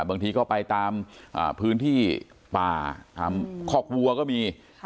บางทีก็ไปตามอ่าพื้นที่ป่าครับคอกวัวก็มีครับ